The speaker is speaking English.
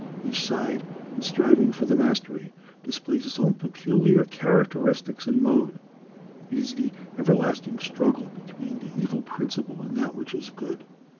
Each side in striving for the mastery, displays its own peculiar characteristics and mode. It is the everlasting struggle between the evil principle and that which is good.